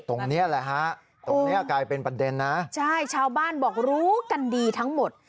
ตรงนี้แหละฮะตรงนี้กลายเป็นประเด็นนะใช่ชาวบ้านบอกรู้กันดีทั้งหมด